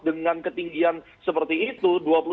dengan ketinggian seperti itu